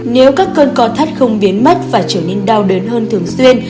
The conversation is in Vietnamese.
nếu các cơn co thắt không biến mất và trở nên đau đớn hơn thường xuyên